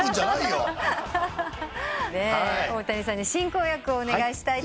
大谷さんに進行役をお願いしたいと思います。